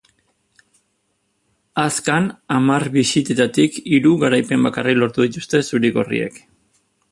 Azkan hamar bisitetatik hiru garaipen bakarrik lortu dituzte zuri-gorriek.